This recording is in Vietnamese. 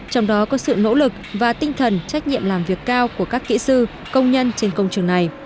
trong đó có sự nỗ lực và tinh thần trách nhiệm làm việc cao của các kỹ sư công nhân trên công trường này